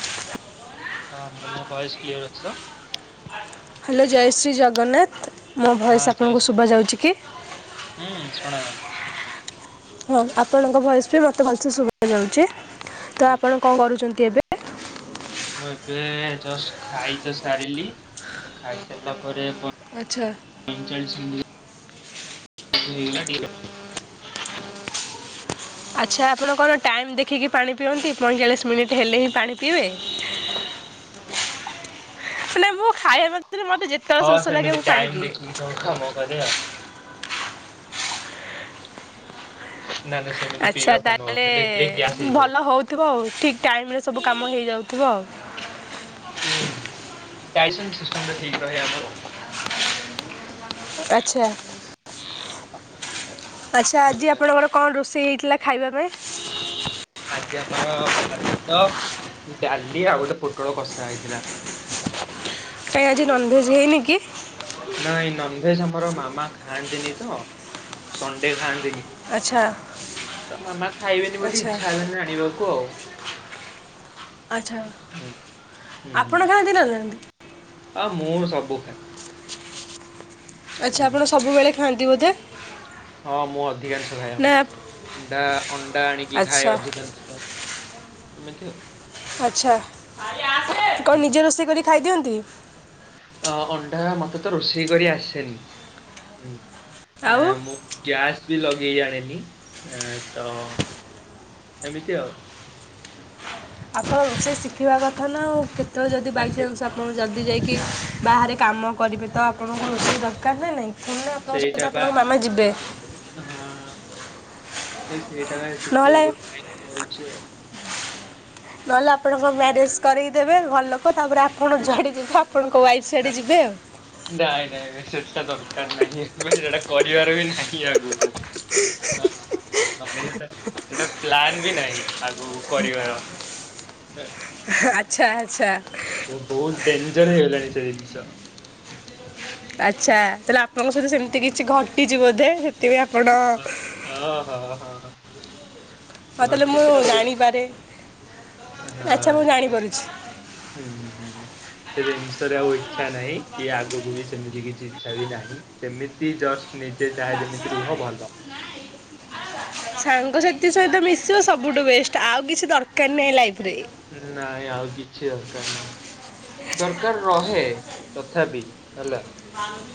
ହଁ ମୁଁ କହିଲି ମୋ ଭଏସ କ୍ଲିୟର ଅଛି ତ। ହ୍ୟାଲୋ ଜୟଶ୍ରୀ ଜଗନ୍ନାଥ। ମୋ ଭଏସ୍ ତ? ଆପଣଙ୍କୁ ଶୁବା ଯାଉଚି କି? ହୁଁ, ଶୁଣାଯାଉଛି। ହଁ, ଆପଣଙ୍କ ଭଏସ ବି ମୋତେ ଭଲସେ ଶୁଭା ଯାଉଛି। ତ ଆପଣ କଣ କରୁଚନ୍ତି ଏବେ? ମୁଁ ଏବେ ଜଷ୍ଟ ଖାଇ ତ ସାରିଲି ଖାଇସାରିଲା ପରେ ଆଛା। [unintelligible] [inaudible] ଆଚ୍ଛା ଆପଣ କଣ ଟାଇମ୍ ଦେଖିକି ପାଣି ପିଅନ୍ତି ପଇଁଚାଳିଶ ମିନିଟ୍ ହେଲେ ହିଁ ପାଣି ପିଇବେ। ମାନେ ମୁଁ ଖାଇବା ମ ମତେ ଯେତେବେଳେ ଶୋଷ ଲାଗେ ମୁଁ ପାଣି ପିଏ। ନଖା ମୋ କରେ ଆଉ। ନା ନାସ୍ ଆଚ୍ଛା ତାହେଲେ ଭଲ ହଉଥିବ ଆଉ ଠିକ ଟାଇମରେ ସବୁ କାମ ହେଇଯାଉଥିବ ଆଉ। ହୁଁ ଟାଇସନ୍ ସିଷ୍ଟମରେ ଠିକ ରହେ ଆମର। ଆଛା। ଆଚ୍ଛା ଆଜି ତାପରେ ଆପଣଙ୍କର କଣ ରୋଷେଇ ହେଇଥିଲା ଖାଇବା ପାଇଁ? ଆଜି ଆମର ଭାତ ଡାଲି ଆଉ ଗୋଟେ ପୋଟଳ କଷା ହେଇଥିଲା। କାଇଁ ଆଜି ନନଭେଜ୍ ହେଇନି କି? ନାଇଁ ନନଭେଜ ଆମର ମାମା ଖାଆନ୍ତିନି ତ ସଣ୍ଡେ ଖାଆନ୍ତିନି ଆଚ୍ଛା ତ ମାମା ଖାଇବେନି ବୋଲି ଆଚ୍ଛା ଇଚ୍ଛା ହେଲାନି ଆଣିବାକୁ ଆଉ। ଆଚ୍ଛା ହୁଁ ଆପଣ କାହାନ୍ତି ଦିନ ରେ? ଆ ମୋଠୁ ସବୁ ଖାଇଦାବୁ। ଆଚ୍ଛା ଆପଣ ସବୁବେଳେ ଖାଆନ୍ତି ବୋଧେ। ହଁ ମୁଁ ଅଧିକାଂଶ ଖାଏ ନା ଅଣ୍ଡା ଅଣ୍ଡା ଆଣିକି ଖାଏ ଆଚ୍ଛା ଅଧିକାଂଶ। ଦେଖିବୁ ଆଚ୍ଛା କଣ ନିଜେ ରୋଷେଇ କରି ଖାଇଦିଅନ୍ତି? ଅ ଅଣ୍ଡା ମତେ ତ ରୋଷେଇ କରି ଆସେନି। ଆଉ ମୁଁ ଗ୍ୟାସ୍ ବି ଲଗେଇ ଜାଣେନି ତ ଏମିତି ଆଉ। ଆପଣ ରୋଷେଇ ଶିଖିବା କଥା ନା ଆଉ କେତେବେଳେ ଯଦି ଆଉ ସେ ବାଇଚାନ୍ସ ଆପଣ ଜଲ୍ଦି ଯାଇକି ବାହାରେ କାମ କରିବେ ତ ଆପଣଙ୍କ ରୋଷେଇ ଦରକାର ନା ନାହିଁ। [unintelligible] ଆପଣଙ୍କ ସେଇଟା ସହିତ ବା ଆପଣଙ୍କ ମାମା ଯିବେ। ହଁ ସେଇଟା ପାଇଁ ନହେଲେ ଶିଖିବାକୁ ଟ୍ରଏ କରୁଛି ଆଉ। ନହେଲେ ଆପଣଙ୍କ ମ୍ୟାରେଜ୍ କରେଇଦେବେ ଭଲ ଲୋକ ତାପରେ ଆପଣ ଯୁଆଡେ ଯିବେ ଆପଣଙ୍କ ୱାଇଫ୍ ନା ଶାଡ଼େ ଯିବେ ଆଉ। ନାଇଁ ନାଇଁ ସେଟଟା ଦରକାର ନାହିଁ ଏ ସେଟା କରିବାର ବି ନାହିଁ ଆଗକୁ। ହ ମାନେ ସେଟା ସେଟା ପ୍ଲାନ ବି ନାହିଁ ଆଗକୁ କରିବାର। [inaudible] ଆଚ୍ଛା ଆଚ୍ଛା। ଓ ବହୁତ ଡେଞ୍ଜର ହେଇଗଲାଣି ସେ ଜିନିଷ। ଆଛା ତାହେଲେ ଆପଣଙ୍କ ସହିତ ସେମିତି କିଛି ଘଟିଛି ବୋଧେ ସେଥିପାଇଁ ଆପଣ ଓଁ ହୋ। ଅ ହଁ ହଁ। ହଁ ତାହେଲେ ମୁଁ ଘଟିଛି ଆଉ। ଜାଣିପାରେ ଆଛା ମୁଁ ଜାଣିପାରୁଛି। ହୁଁଁ ହୁଁ। ସେ ଜିନିଷରେ ଆଉ ଇଛା ନାହିଁ କି ଆଗକୁ ବି ସେମିତି କିଛି ଇଛା ବି ନାହିଁ। ସେମିତି ଜଷ୍ଟ ନିଜେ ଚାହେ ଯେମିତି ରୁହ ଭଲ ନାଇଁ। ସାଙ୍ଗସାଥି ସହିତ ମିଶିବ ସବୁଠୁ ବେଷ୍ଟ ଆଉ କିଛି ଦରକାର ନାହିଁ ଲାଇଫି ରେ। ନାଇଁ ଆଉ କିଛି ଦରକାର ନାହିଁ। ଦରକାର ରହେ ତଥାପି ହେଲା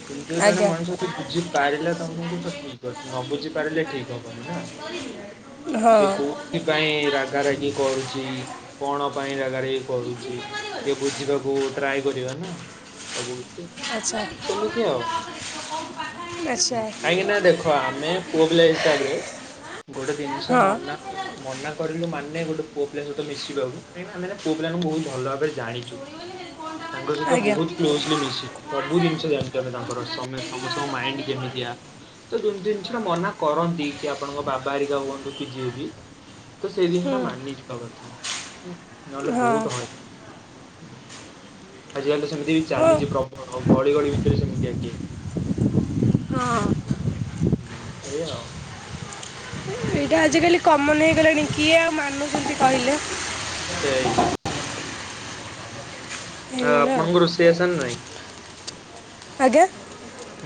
କିନ୍ତୁ ଜଣେ ଆଜ୍ଞା ମଣିଷ ବୁଝି ପାରିଲେ ତମକୁ ତ ଠିକି ଅଛି ନ ବୁଝି ପାରିଲେ ଠିକି ହବନି ନା। ହଁ ସେ କୋଉଥିପାଇଁ ରାଗ ରାାଗି କରୁଛି। କଣ ପାଇଁ ରାଗା ରାଗି କରୁଛି ଇଏ ବୁଝିବାକୁ ଟ୍ରାଏ କରିବା ନା ସବୁ କିଛି। ଆଛା ସେମିତି ଆଉ। ହୁଁ, ଆଛା। କାହିଁକି ନା ଦେଖ ଆମେ ପୁଅ ପିଲା ହିସାବରେ ଗୋଟେ ଜିନିଷ ହଁ ମନା କର ମନା କରିଲୁ ମାନେ ଗୋଟେ ପୁଅ ପିଲା ସହିତ ମିଶିବାକୁ କାହିଁକିନା ମାନେ ପୁଅ ପିଲାଙ୍କୁ ବହୁତ ଭଲ ଭାବରେ ଜାଛୁ। ତାଙ୍କ ସହିତ ଆଜ୍ଞା ବହୁତ କ୍ଲୋଜ। ମିସିକି ସବୁ ଜିନିଷ ଜାଣି ତାଙ୍କର ସମସ୍ତଙ୍କ ମାଇଣ୍ଡ କେମିତିଆ। ତ ଜୋଉ ଜିନିଷଟା ମନା କରନ୍ତି କି ଆପଣଙ୍କ ବାବା ଆରିକା ହୁଅନ୍ତୁ କି ଯିଏ ବି ତ ସେ ହୁଁ ଦିଷଟା ମାନିଯିବା କଥା। ନହେଲେ ହଁ ବହୁତ ହଇରାଣ ଆଜି କାଲି ତ ସେମିତି ବି ଚାଲିଛି। ହଁ ହଉ ଘଡ଼ି ଘଦି ଭିତରେ ସେମିତି ଆକିଏ। ହଁ। ହୁଁ ସେଇଆା ଆଉ। ଏଇଟା ଆଜିକାଲି କମନ ହେଇଗଲାଣି କିଏ ଆଉ ମାନୁଛନ୍ତି କହିଲେ। ସେଇ। ଆଉ ପଙ୍ଗରୁସିଏ ସନା ନାାଇଁ। ଆଜ୍ଞା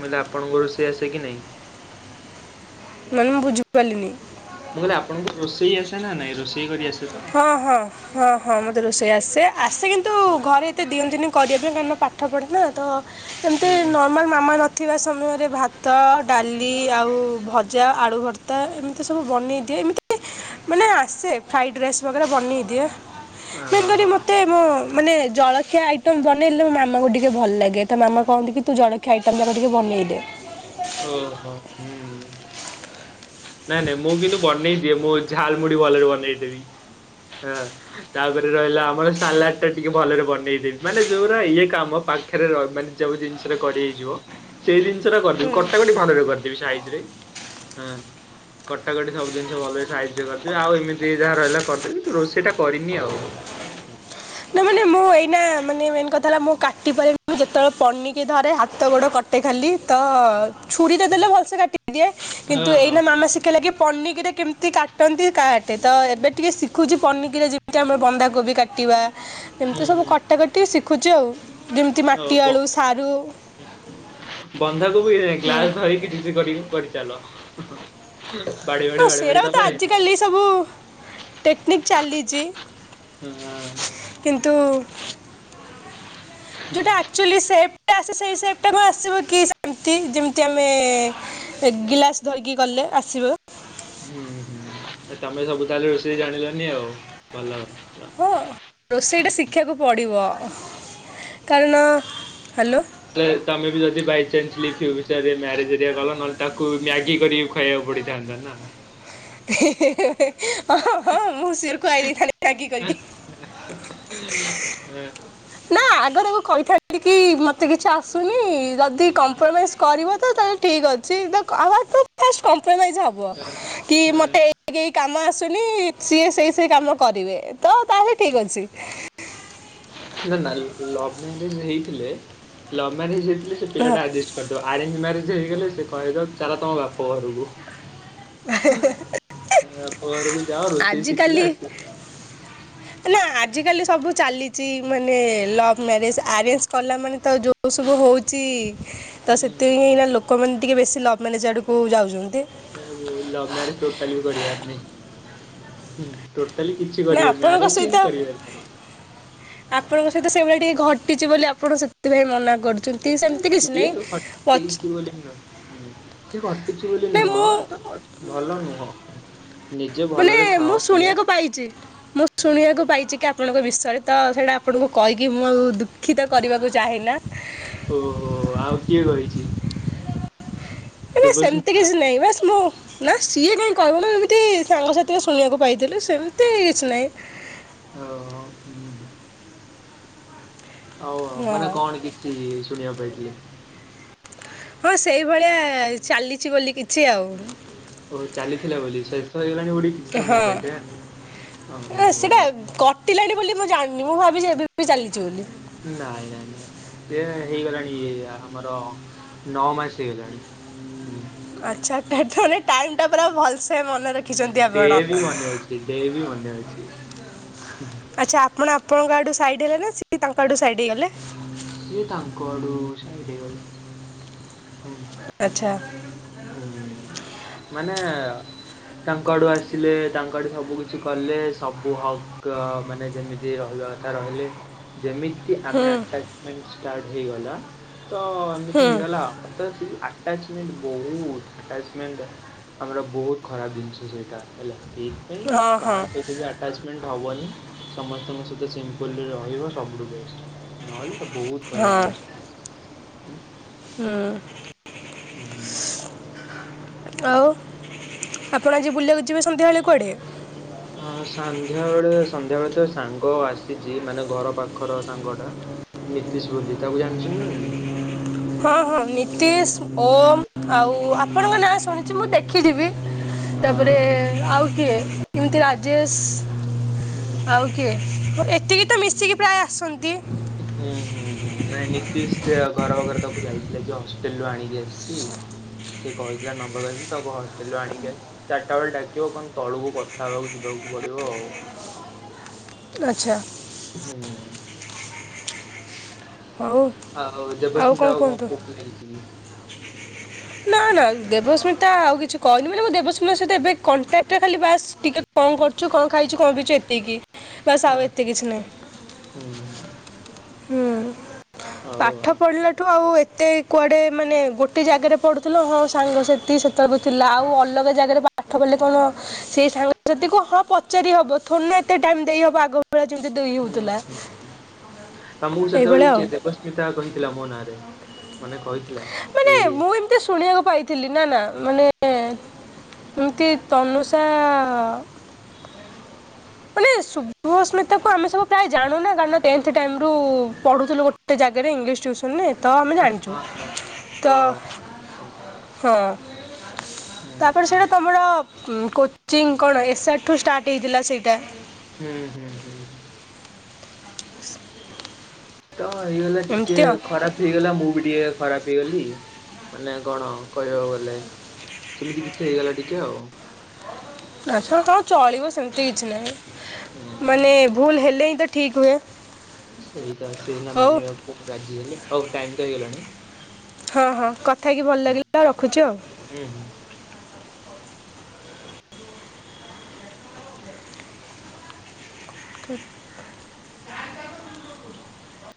ମୁଁ କହିଲି ଆପଣଙ୍କ ରୋଷେଇ ଆସେ କି ନାହିଁ? ମାନେ ମୁଁ ବୁଝି ପାରିଲିନି? ମୁଁ କହିଲି ଆପଣଙ୍କୁ ରୋଷେଇ ଆସେ ନା ନାଇଁ ରୋଷେଇ କରି ଆସେ ତ ହଁ ହଁ ହଁ ହଁ ମତେ ରୋଷେଇ ଆସେ ଆସେ କିନ୍ତୁ ହୁଁ ଘରେ ଏତେ ଦିଅନ୍ତିିନି କରିବା ପାଇଁ କାହିଁ ନା ପାଠ ପଢା ନା ତ ଏମତି ହୁଁ ନର୍ମାଲ ମାମା ନଥିବା ସମୟରେ ଭାତ ଡାଲି ଆଉ ଭଜା ଆଳୁ ଭିଜା ତା ଏମିତି ସବୁ ବନେଇ ଦିଏ ଏମିତି ମାନେ ଆସେ ଫ୍ରାଇଡ୍ ରାଇସ୍। ବାଗେରା ବନେଇ ଦିଏ ମେନ୍ କରି ଓହୋ ମୋତେ ମୁଁ ମାନେ ଜଳଖିଆ ଆଇଟମ ବନେଇଲେ ମୋ ମାମାଙ୍କୁ ଟିକେ ଭଲ ଲାଗେ ତା ମାମା କହନ୍ତି କି ତୁ ଜଳଖିଆ ଆଇଟମ ଗୁରା ଟିକେ ବନେଇଦେ। ଓହୋ। ହୁଁ ନାଇଁ ନାଇଁ ମୁଁ କିନ୍ତୁ ବନେଇ ଦିଏ ମୁଁ ଝାଲ ମୁଢି ଭଲରେ ବନେଇଦେବି ହଁ। ତାପରେ ରହିଲା ଆମର ସାଲାଡ ଟା ଟିକେ ଭଲରେ ବନେଇଦେବି ମାନେ ଯୋଉଟା ଇଏ କାମ ପାଖରେ ରହ ମାନେ ଜୋଉ ଜିନିଷଟା କରି ହେଇଯିବ ସେଇ ଜିନିଷ ଟା କରିଦେବି ହୁଁ କଟା କଟି ଭଲରେ କରିଦେବି ସାଇଜି ରେ। ହୁଁ। କଟାକଟି ସବୁ ଜିନିଷ ଭଲ ସାଇଜି ରେ କରିଦେବି ଆଉ ଏମିତି ଯାହା ରହିଲା କରିଦେବି ରୋଷେଇଟା କରିନି ଆଉ। ସେ ମାନେ ମୁଁ ହୋ ଏଇନା ମାନେ ମେନ୍ କଥା ହେଲା ମୁଁ କାଟି ପାରିବି ନାହିଁ ଯେତେବେଳେ ପନିକି ଧରେ ହାତ ଗୋଡ଼ କଟେ ଖାଲି ତ ଛୁରୀ ଟା ଦେଲେ ଭଲସେ କାଟି ଦିଏ ହଁ କିନ୍ତୁ ହଁ ଏଇନା ମାମା ଶିଖା ଲାଗେ ପନିକିରି କେମିତି କାଟନ୍ତି କାହାଟେ ତ ଏବେଟିକେ ଶିଖୁଛି ପନିକିରି ଯେମିତି ଆମର ବନ୍ଧାୋବି କାଟ କଟିବା ହୁଁ ଏମିତି ସବୁ ହୁଁ କଟାକଟି ଶିଖୁଛି ଆଉ ଯେମିତି ମାଟି ଆଳୁ ସାରୁ ବନ୍ଧା କୋବି ହୁଁ ଗ୍ଲାସ ଧରିକି ଡିଜେ କରିକି କରିଚାଲ। ବାଡେଇ ହଁ ବାଡେଇ ବାଡେଇ ବାଡେଇ ସେଡାକ ଚାଲ ତ ହେଇଯିବ ଆଜିିକାଲି ସବୁ ଟେକ୍ନିକ୍ ଚାଲିଚି ହଁ। କିନ୍ତୁ ଯୋଉଟା ଆକଚୋଲି ସେପଟା ଆସେ ସେଇ ସେପଟା କଣ ଆସିବ କି ସେମତି ଯେମତି ଆମେ ସେ ଗିଲାସ ଧରିକି ଗଲେ ଆସିବ। ହୁଁ ହୁଁ ଆଉ ତମେ ସବୁ ତାହେଲେ ରୋଷେଇ ଜାଣିଲନି ଆଉ ଭଲ ଭଲ ହଁ ରୋଷେଇଟା ଶିଖିବାକୁ ପଡ଼ିବ କାରଣ ହାଲୋ ହେଲେ ତମେ ବି ଯଦି ବାଇଚାନ୍ସ ଲି ଫ୍ୟୁଚରରେ ମ୍ୟାରେଜ ହରିକା କଲ ନହେଲେ ତାକୁ ବି ମ୍ୟାଗି କରିକି ଖୁ ଖହିବାକୁ ପଡ଼ଥାନ୍ତା ନା। ହେ ହେ ହେ ହେ ଅ ହଁ ହଁ ହଁ ମୁଁ ସିଏ ବି ଖୁଆଇ ଦେଇଥାନ୍ତି ମ୍ୟାଗି କରିକି। ଏ ଏଠିକି ମତେ କିଛି ଆସୁନି ଯଦି କମ୍ପ୍ରୋମାଇଜ୍ କରିବ ତ ତାହେଲେ ଠିକଅଛି ଦକ୍ ଆମର ତ ଫାଷ୍ଟ କମ୍ପ୍ରୋମାଇଜ୍ ହବ। କି ମତେ ଏଇ କେଇ କାମ ଆସୁନି ସିଏ ସେଇ ସେଇ କାମ କରିବେ। ତ ତାହେଲେ ଠିକ ଅଛି। ନା ନା ଲ-ଲଭ ମ୍ୟାରେଜ ହେଇଥିଲେ ଲଭ ମ୍ୟାରେଜ ହେଇଥିଲେ ସେ ହଁ ପିଲାଟା ଆରଜେଷ୍ଟ୍ କରିଦବ ଆରେଞ୍ଜ ମ୍ୟାରେଜ ହେଇଗଲେ ସେ କହିଦବ ଚାଲ ତମ ବାପା ଘରକୁ। ଏ ବାପ ଘରକୁ ଯାଅ ରୋଷେଇ ଶିଖିଲେ ଆଜିକାଲି ଆସିବ। ନା ଆଜିକାଲି ସବୁ ଚାଲିଚି ମାନେ ଲଭ୍ ମ୍ୟାରେଜ ଆରେଞ୍ଜ କଲା ମାନେ ତ ଯୋଉ ଓ ସବୁ ହୋଉଚି ତ ସେଥି ହିଁ ଏନା ଲୋକମାନେ ଟିକେ ବେଶୀ ଲଭ୍ ମାନେ ସ୍ୟାଡ଼କୁ ଯାଉଚନ୍ତି। ଏ ବୋଉ ଲଭ୍ ମ୍ୟାରେଜ ଟୋଟାଲି ବି କରିବାନିଁ ହୁଁ ଟୋ ତାହେଲେ କିଛି ନା କରିବନି ଆପଣଙ୍କ ଆରେଞ୍ଜ୍ ସହିତ ହେଇନେ କରିବାର ନାଇଁ। ଆପଣଙ୍କ ସହିତ ସେଇଭଳିଆ ଟିକେ ଘଟିଚି ବୋଲି ଆପଣ ସେଥିପାଇଁ ମନା କରୁ ସେମତି ସେମତି କିଛି ନାଇଁ ପଛ୍ ଉଁ ସେ ଘଟିଛି ବୋଲି ନାଇଁ ମୁଁ ନୁହଁ ତ ଭଲ ନୁହଁ। ନିଜେ ମାନେ ଭଲରେ ଥାଅ। ମୁଁ ଶୁଣିବାକୁ ପାଇଚି ମୋ ଶୁଣିବାକୁ ପାଇଚି କି ଆପଣଙ୍କ ବିଷୟରେ ତ ସେଇଟା ଆପଣଙ୍କୁ କହିକି ମୁଁ ଆଉ ଦୁଃଖିତ କରିବାକୁ ଚାହେଁନା। ଓହୋ ଆଉ କିଏ କହିଚି ନାଇ ସେମତି କିଛି ନାଇଁ ବାସ୍‌ ମୁଁ ନା ସିଏ କାଇଁ କହିବ ନା ଏମତି ସାଙ୍ଗସାଥିରେ ଶୁଣିବାକୁ ପାଇଥିଲି ସେମତି କିଛି ନାଇଁ। ଓହୋ ଉଁ ହୁଁ। ଆଉ ମାନେ ହଁ କଣ କିଛି ଶୁଣିବାକୁ ପାଇଥିଲେ? ହଁ ସେଇଭଳିଆ ଚାଲିଚି ବୋଲି କିଛି ଆଉ। ଓହୋ ଚାଲିଥିଲା ବୋଲି ଶେଷ ହେଇଗଲାଣି ବୋଲି କିଛି ଶୁଣିବାକୁ ହଁ ପାଇଥିବେ [unintelligible] ଓହୋ ହୋ। ପିଲାଟି ବୋଲି ମୁଁ ଜାଣିନି ମୁଁ ଭାବିଲି ଏବେ ବି ଚାଲିଚି ବୋଲି। ନାଇଁ ନାଇଁ ନାଇଁ ସିଏ ହେଇଗଲାଣି ଇଏ ଆମର ନଅ ମାସ ହେଇଗଲାଣି। ଉଁ ଆଚ୍ଛା ତାର ତାହାନେ ଟାଇମଟା ପୁରା ଭଲସେ ମନେର ରଖିଚନ୍ତି ଡେ ଆପଣ ବି ମନେ ଅଛି ଡେ ବି ମନେ ଅଛି। ଆଛା ଆପଣ ଆପଣଙ୍କ ଆଡୁ ସାଇଡ ହେଲେ ନା ସିଏ ତାଙ୍କ ଆଡୁ ସାଇଡ ହେଇଗଲେ। ସିଏ ତାଙ୍କ ଆଡୁ ସାଇଡ୍ ହେଇଗଲେ ହୁଁ। ଆଚ୍ଛା। ହୁଁ ମାନେ ତାଙ୍କ ଆଡୁ ଆସିଲେ ତାଙ୍କ ଆଡୁ ସବୁ କିିଛି କଲେ ସବୁ ହ କ ମାନେ ଯେମିତି ରହିବା କଥା ରହିଲେ। ଯେମିତି ଆମେ ହୁଁ ଆଟାଚମେଣ୍ଟ ଷ୍ଟାର୍ଟ ହେଇଗଲା ତ ହୁଁ ଏମିତି ହେଇଗଲା ଆଉ। ତ ସେଇ ଆଟାଚମେଣ୍ଟ ଭି ବହୁତ ଆଟାଚମେଣ୍ଟ ଆମର ବହୁତ ଖରାପ ଜିନିଷ ସେଇଟା ହେଲା। ସେଠଥିପାଇଁ ହଁ ହଁ କାହାର ସେଇଠି ବି ଆଟାଚମେଣ୍ଟ ହେବନି, ସମସ୍ତଙ୍କ ସହିତ ସିମ୍ପଲରେ ରହିବ ସବୁଠୁ ବେଷ୍ଟ। ନହେଲେ ତ ବହୁତ- ଖରାପ ହଁ ଜିନିଷ। ହୁଁ ହୁଁ ଆଉ- ଆପଣ ଆଜି ବୁଲିବାକୁ ଯିବେ ସନ୍ଧ୍ୟାବେଳେ କୁଆଡ଼େ। ହଁ ସନ୍ଧ୍ୟାବେଳେ -ସନ୍ଧ୍ୟାବେଳେ ତ ସାଙ୍ଗ ଆସିଛି ମାନେ ଘର ପାଖର ସାଙ୍ଗ ଟା ନୀତିଶ ବୋଲି, ତାକୁ ଜାଣିୁଚନ୍ତି ନା ନାଇଁ? ହଁ ହଁ ନୀତିଶ୍, ଓମ୍ ଆଉ ହଁ ଆପଣଙ୍କ ନାଁ ଶୁଣିଛି। ମୁଁ ଦେଖି ଯିବି। ହଁ ତାପରେ ଆଉ କିଏ? ଏମତି ରାଜେଶ୍। [unintelligible] ଆଉ କିଏ? ଏତିକି ତ ମିଶିକି ପ୍ରାୟ ଆସନ୍ତି। ହୁଁ ହୁଁ ହୁଁ ନାଇଁ ନୀତଶ ସେ ଘର ଆଡ଼କୁ ଯାଇଥିଲା ସେ ଯେ ହଷ୍ଟେଲ ରୁ ଆଣିବା - ସେ କହିଥିଲା ନବ ଗଞି ତାକୁ ହଷ୍ଟେଲରୁ ଆଣିକି ଆସି ଚାରିଟା ବେଳେ ଡାକିବ କଣ ତଳକୁ କଥା ହେବାକୁ ଯିବାକୁ ପଡିବ ଆଉ? ଆଚ୍ଛା। ହୁଁ। ହଁ ହଉ। ଆଉ ଦେବସ୍ମିତା ଆଉ କଣ କହୁଥିଲା କିଛି? [unintelligible] ନା ନା ଦେବସ୍ମିତା ଆଉ କିଛି କହିନି ବୋଲି ମୁଁ ଦେବସ୍ମିତା ସହିତ ଏବେ କଣ୍ଟାକ୍ଟରେ ଖାଲି ବାସ୍ ଟିକେ କଣ କରୁଚୁ, କଣ ଖାଇଛୁ କଣ, ପିଛୁ ଏତିକି। ବାସ ହଁ ଆଉ ଏତେ କିଛି ନାହିଁ ହୁଁ ହୁଁ ହୁଁ- ହଉ ପାଠ ଆଉ ପଢ଼ିଲାଠୁ ଆଉ ଏତେୁଆେ ମାନେ ଗୋଟେ ଜାଗରେ ପଢ଼ୁଥିଲ ହଁ ସାଙ୍ଗସଥି ସେତେବେଳେକୁ ଥିଲା ଆଉ ଅଲଗା ଜାଗାରେ ପାଠ ପଢ଼ଲେ କଣ- ସେଇ ସାଙ୍ଗସାଥିୀ କୁ ହଁ ପଚାରି ହବ। ଥୋଡିନା ଏତେ ଟାଇମ ଦେଇହବ ଆଗ- ଯେମି ଦୁ ହୁଁ [unintelligible] ହୁଁ ପଉଦଥିଲା ହୁଁ। [unintelligible] ତମକୁ ସେତେବେଳେ କିଏ ଦେବସ୍ମିତା କହିଥିଲା ମନ ରେ? ମାନେ କହିଥିଲା? ଏଇ- ଏତେ ଶୁଣିବାକୁ ପାଇଥିଲି ନା ନା ମାନେ- ଏମିତି ତନୁଷା- ମାନେ ଶୁଭସ୍ମିତା କୁ ଆମେ ସବୁ ପ୍ରାୟ ଜାଣୁନା କାଇଁ ନା ଟେନ୍ତଃ ଟାଇମ ରୁ ପଢୁଥିଲୁ ଗଟେ। ସେ ଜାଗାରେ ଇଂଲିଶ ଟିଉସନ - ନ [unintelligible] ତ ଆମେ ହଁ ଜାଣିଛୁ ହଁ ତ ହୁଁ ହଁ ହୁଁ ଆମର କୋଚିଂ କଣ ଏସ୍ ଆର୍ଠୁ ଷ୍ଟାର୍ଟ ହେଇଥିଲା ସେଇଟା। ହୁଁ ହୁଁ ହୁଁ ଠିକ [inaudible] ତ ହେଇଗଲା ଟିକେ ଖରାପ। ହେଇଗଲା ମୁଁ ବି ଟିକେ ଖରାପ ହେଇଗଲି ମାନେ କଣ କହିବାକୁ ଗଲେ। ସେମିତି କିଛି ହେଇଗଲା ଟିକେ ଆଉ। ଆଛା ଆଉ ଚଳିବ ସେମିତି କିଛି ନାହିଁ। ହୁଁ ମାନେ ଭୁଲ ହେଲେ ହିଁ ତ ଠିକ୍ ହୁଏ। ସେଇଟା ସେନା ହଉ ମାନିବାକୁ ରାଜି ହେଲେ ହଉ ଟାଇମ ତ ହେଇଗଲାଣି। ହଁ ହଁ କଥା ହେଇକି ଭଲ ଲାଗିଲା ଆଉ ରଖୁଛି ଆଉ। ହୁଁ ହୁଁ କ [inaudible]